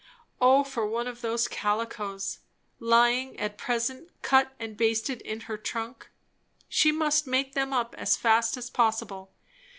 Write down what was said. O for one of those calicos, lying at present cut and basted in her trunk. She must make them up as fast as possible.